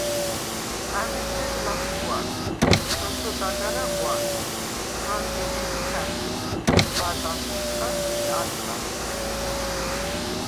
ა̈მეჩედ ლათხუარხო. ჩვათოდაგარა ღვაშ, ჩვალგენელი ქვა̈ბისა, წვა̈დ ახოსყა ი ატყაბე.